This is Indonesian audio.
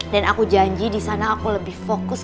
dan aku janji disana aku lebih fokus